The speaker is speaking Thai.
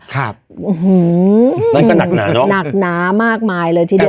ครับนั่นก็หนักหนาเนอะหนักหนามากมายเลยทีเดียว